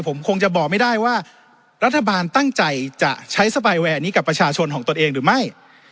ผมคงจะบอกไม่ได้ว่ารัฐบาลตั้งใจจะใช้สบายแวร์นี้กับประชาชนของตนเองหรือไม่